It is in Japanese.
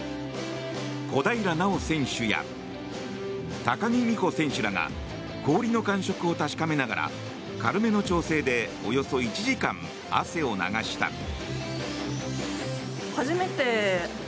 小平奈緒選手や高木美帆選手らが氷の感触を確かめながら軽めの調整でおよそ１時間汗を流した。